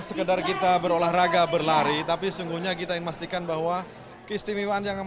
sekedar kita berolahraga berlari tapi sesungguhnya kita ingin memastikan bahwa keistimewaan yang